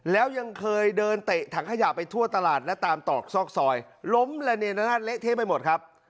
แล้วยังเคยเดินเตะถังขยะไปทั่วตลาดและตามตอกซอกซอยล้มระเนียนเละเทะไปหมดครับ